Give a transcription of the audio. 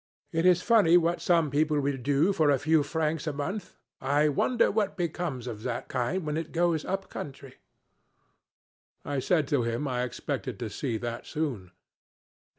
'It is funny what some people will do for a few francs a month. I wonder what becomes of that kind when it goes up country?' I said to him I expected to see that soon.